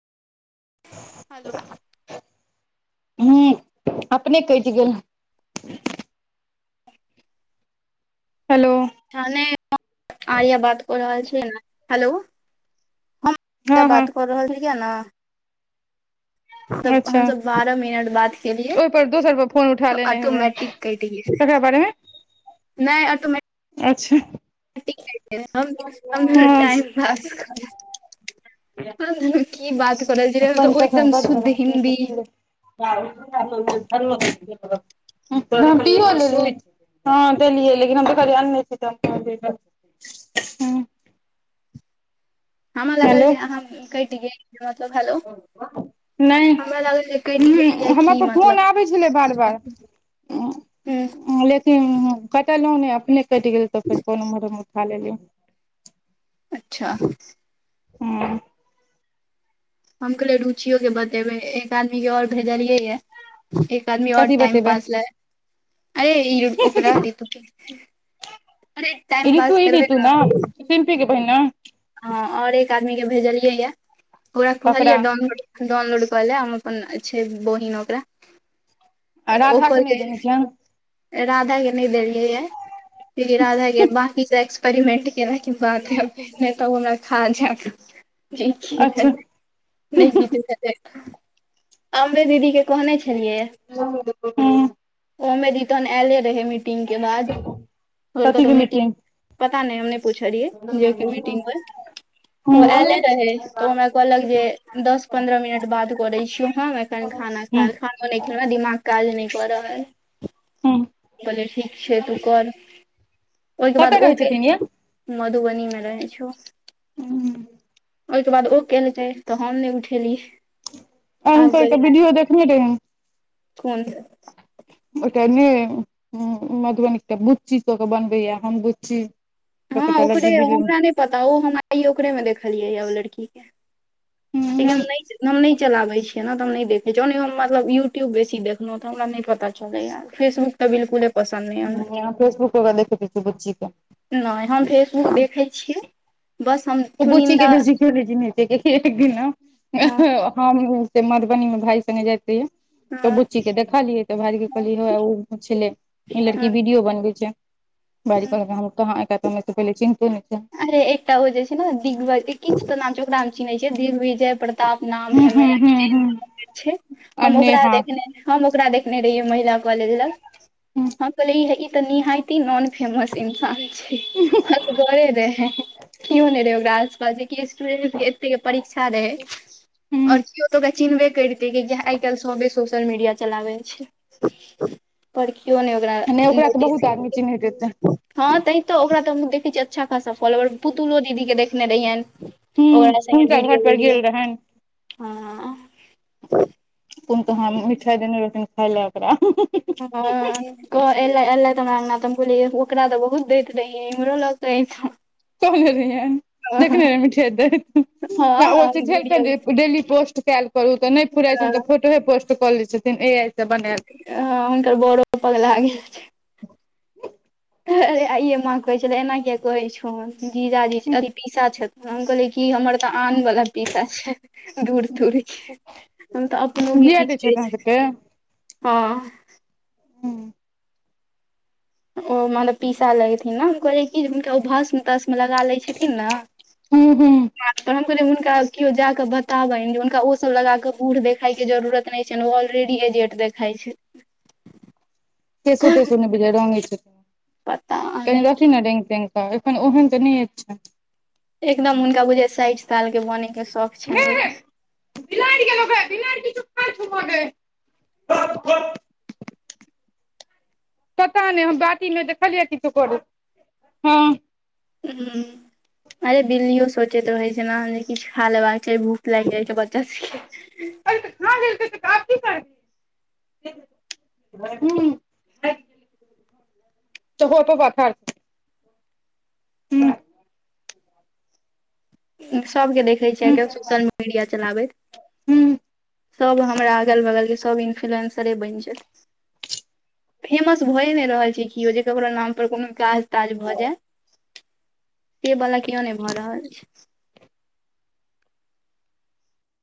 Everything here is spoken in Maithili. हेलो [unintelligible] ह अपने काईट गेल हेलो आर्या बात कऽ रहल छी हेलो हँ हम हँ बात कर रहल छी किया ने तब अच्छा हमसब बारह मिनट बाद केलियै ओहिपर दोसर पर फोन उठा तऽ लेने हेबै ऑटोमटिक काईट गेल ककरा बारेमे नहि अऑटोमेटिक अच्छा हँ टाइम प की बात करल जे तऽ पानि ओ एकदम शुद्ध हिन्दी बायो हँ चेलियए लेकिन हम त खाली नहि छी ह हमरा लागल हेलो जे अहाँ कटि गेल मतलब हलो नहि की हमरापर फोन मतलब आबै छलै बार बार ह हूँ ह ले कटलहु ने अपने कटि गेल तो फेर कोनो उम्हर मे उठा लेलिय अच्छा हँ हम कहले रुचियो के बतेबे एक आदमी के और भेजलियै य एक आदमी आओर कथी टाइम बतेबै पास लए अरे ओकरा अरे टाइम ई पास ऋतु ई ने करबै ऋतु सिम्पीे बहिन ना हँ आओर एक आदमीके भेजलियै यए ओकरा ककरा कहलियै डाउनलोड डाउनलोड कऽ ले हम अपन छै बहिन ओकरा आ ओ राधा के नहि देने कहलाई छियनि राधा के न देलिये ये कि राधा के बंकी से एक्सपेरिमेंट केेले बात ह पने तऽ ओ हमरा खा जा ज अच्छा नहि हमर दीदी के छलमे ते रह हूँ के ब कथी क के मीटि मीटिंग पता नहि हम पूछलियै जे हूँ ग ओ एऐले रहे तऽ हमरा कहलक जे दस पन्द्रह मिनट बाद करे छीियो हम एखन खाना खर खाना नहि खेल ह दिमाग काज नहि करऽ रहल है हूँ ठीक छै तू कर ओहिके कतऽ बाद रहै ओके छथिन ये मधुबनीमे रहै छौ ओहिके बाद ओ कयल जाै तऽ हम नहि उठेली आब हुनकर एकटा कर वीडियो देखने रहियैन कोनस ओटा ने मधुबनीक गुच्ची क के बनबैया हम गुच्ची हँ ओकरे हमरा नहि पता ओ हम आइ ओकरे मे देखलियै य ओ लड़की के लि हम हम नहि चलाबै छियै ने तऽ देख जौने हम मतलब यूट्यूब बेसी देखलहुँ तऽ हमरा नहि पता चलैय फेसबुक तऽ बिलकुले पसन्द नहिं हमरा फेसबुक वग देख बु क के नहि हम फेसबुक देखै छियै बस हम ओ बुच चुनिन्दा के बेसी खल छी न एकदिन हँ हम से मधुबनी मे भाय सगे जाय रयै तो हँ बुच्ची के देखलियै तऽ कह छल लड़की वीडियो बनवे छै ब कहाँ एकमे से पहिले चिन्ते नहि छै अरे एकटा ओ जे छै ने दिग किछु तऽ नाम छै ओकरामे चिहै छै दिगजय प्रताप नाम हूं है हूं हूं हूं छै आ हम ओकरा नेहा देखने हम ओकरा देखने रहियै महिला कॉलेज लग हूं हम कहले ई ते निहात नॉन फेमस इंसान छै हस घरे केओ नहि रहे ओकरा आसपास जेकि स्टूडेंटके एते के परीक्षा रहै हूं कियओ तो े कर आइ काल्हि सबे सोशल मीडिया चलाबै छै पर कैयो नहि ओकरा ओकरा तऽ नोटिस बहुत आदमी चिन्हैत हेतै केल हँ तैं तऽ ओकरा तऽ हम देखै छियै अच्छा खासा फॉलोर पुतलो दीदी के देखने रहियैनि हूं ओकरा सगे हुनका वीडियो घर पर वडियो गेल रहनि हँ कुम तुहा मिठाइ देने रहथिन खााय लए ओकरा हँ कह एले एलै त हमरा कहल ओकरा तऽ बहुत दैत रहियै इमहरो लग कहने रहि देखनेठे हँ वीडियो डेली पोस्ट कयल करू तऽ नहि फुराइ छै हँ त फोटोे पोस्टऽ ले छथिन ए आइ से बनायल हुनकर बड़ो पगलाय गेल अरे आइ माँ कहै छल एना किया कहै छौ जीजाजी आ पीसा छ हम कहलै कि हमर तऽ आन ब पीसा छै दूर दूरके हम तऽ अपनोे जिया दै किछु छैथ केह अहाँ सबके सकैत हँ हँ [unintelligible] ओ मने पीसा लगथिन ने कहल कि जे हुनका ओ भस्म तस्ममे लगा लै छथिन ने हू हू त हम कह हुनका केओ जााके बताबनि जे हुनका ओ सब लगाके बूढ़ देखाय के जरूरत देख छै ऑलरेडी एजेट देखाइ छै कैसै तैसो न बजा रंगी छै पता क नहि रथ कि ने रेंग रंराग ऽ एखन ओहन तऽ नहि छनि एकदम हुनका बुझाय साठि साल के बनेय के शौक छनि बुझे बिलाड़ि केल बिलाड़ किछु छ पता ने हम बाटी मे देखलियै किछु करो हँ अरे बिल्लियो सोचैत रहे छै ने जे किछु खा लेबाक चाही भूख लागि जाइ छै पचासासके अरे तऽ खा गेल तऽ आब की करबै तऽ होर पवा फर हूँ सभके देखैत छियै आइकाल्हि सोशल मीडिया चलाबैत हुं सभ हमरा अगल बगलके सभ इन्फ्लुएन्सरे बनि जायत फेमस भऽए नहि रहल छै किओ जे केकररा नामपर कोनो काज ताज भऽ जाय से वला को नहि भऽ रहल छै